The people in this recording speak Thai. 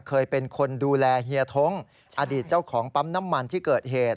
เคยเป็นคนดูแลเฮียท้งอดีตเจ้าของปั๊มน้ำมันที่เกิดเหตุ